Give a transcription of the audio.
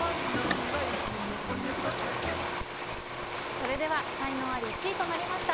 それでは才能アリ１位となりました